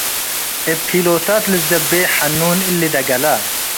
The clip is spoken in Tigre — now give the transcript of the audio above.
እብ ኪሎታት ልትዘቤ ሐኑን እሊ ደገለ